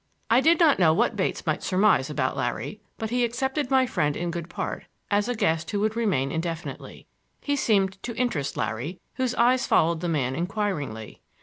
I did not know what Bates might surmise about Larry, but he accepted my friend in good part, as a guest who would remain indefinitely. He seemed to interest Larry, whose eyes followed the man inquiringly.